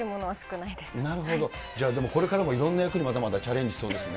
なるほど、じゃあ、でも、これからもいろんな役に、まだまだチャレンジしそうですね。